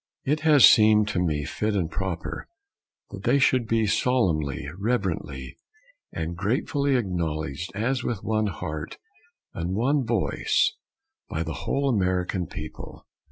It has seemed to me fit and proper that they should be solemnly, reverently, and gratefully acknowledged as with one heart and one voice by the whole American people.